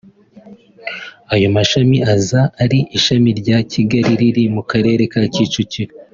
Ayo mashami aza ari ishami rya Kigali riri mu Karere ka Kicukiro